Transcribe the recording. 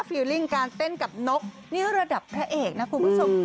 ฟิลลิ่งการเต้นกับนกนี่ระดับพระเอกนะคุณผู้ชม